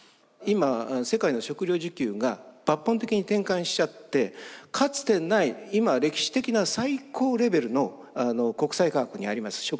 今世界の食料自給が抜本的に転換しちゃってかつてない今歴史的な最高レベルの国際価格にあります